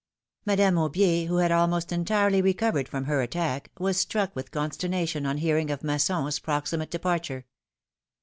Madame Aubier, who had almost entirely recovered from her attack, was struck with consternation on hearing of Masson's proximate departure.